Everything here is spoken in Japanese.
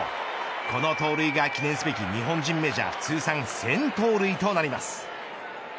この盗塁が記念すべき日本人メジャー通算１０００盗塁となります。